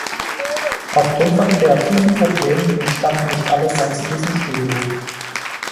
Aufgrund von kreativen Problemen entstanden nicht alle Songs in diesem Studio.